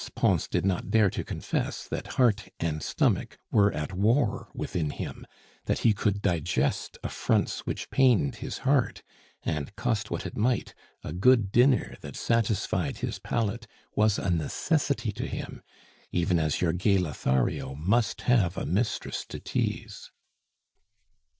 Pons did not dare to confess that heart and stomach were at war within him, that he could digest affronts which pained his heart, and, cost what it might, a good dinner that satisfied his palate was a necessity to him, even as your gay Lothario must have a mistress to tease.